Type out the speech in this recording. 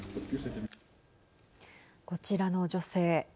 こちらの女性。